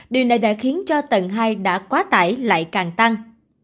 điều này đã khiến cho tầng hai đã quá tải lại càng tăng